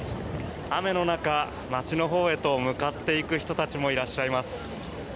雨の中、街のほうへと向かっていく人たちもいます。